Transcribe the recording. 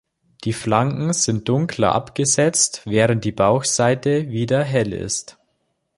Die Flanken sind dunkler abgesetzt, während die Bauchseite wieder hell ist.